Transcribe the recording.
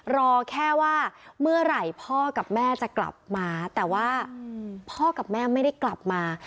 รอแค่ว่าเมื่อไหร่พ่อกับแม่จะกลับมาแต่ว่าพ่อกับแม่ไม่ได้กลับมา